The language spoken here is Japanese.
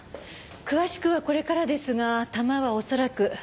詳しくはこれからですが弾は恐らく．３８